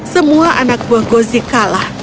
semua anak buah gozi kalah